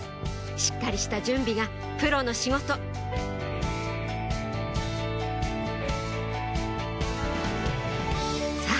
しっかりした準備がプロの仕事さぁ！